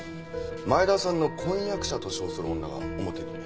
前田さんの婚約者と称する女が表に。